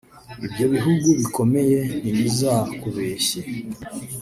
ibyo bihugu bikomeye ntibizakubeshye